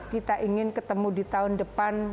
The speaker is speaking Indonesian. kita ingin ketemu di tahun depan